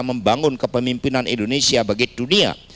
membangun kepemimpinan indonesia bagi dunia